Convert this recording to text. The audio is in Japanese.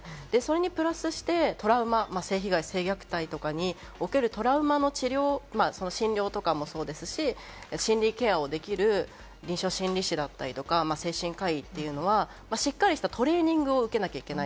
それにプラスして、トラウマ、性被害、性虐待とかにおけるトラウマの治療、診療とかもそうですし、心理ケアをできる臨床心理士だったりとか、精神科医というのは、しっかりしたトレーニングを受けなきゃいけない。